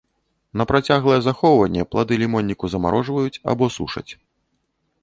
На працяглае захоўванне плады лімонніку замарожваюць або сушаць.